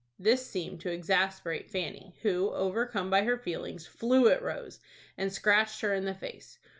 This seemed to exasperate Fanny, who, overcome by her feelings, flew at Rose, and scratched her in the face.